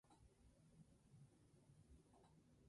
Este es el único ejemplar fuera del corazón olmeca.